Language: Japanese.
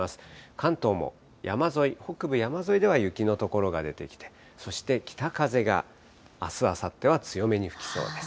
関東も山沿い、北部山沿いでは雪の所が出てきて、そして北風があす、あさっては強めに吹きそうです。